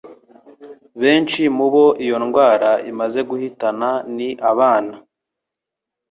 Benshi mubo iyo ndwara imaze guhitana ni abana